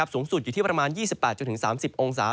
สูงสุดอยู่ที่ประมาณ๒๘๓๐องศา